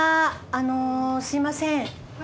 あのすいません。